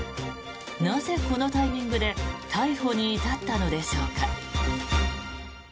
なぜ、このタイミングで逮捕に至ったのでしょうか。